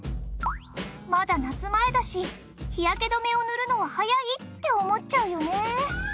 まだ夏前だし日焼け止めを塗るのは早いって思っちゃうよね。